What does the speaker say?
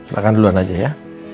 makan duluan aja ya